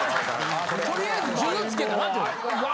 とりあえず数珠つけたらって。